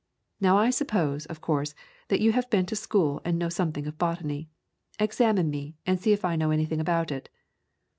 Now I suppose, of course, that you have been to school and know something of botany. Examine me and see if I know any thing about it."